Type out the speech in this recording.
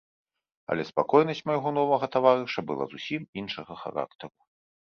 Але спакойнасць майго новага таварыша была зусім іншага характару.